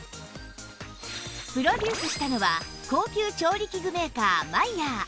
プロデュースしたのは高級調理器具メーカーマイヤー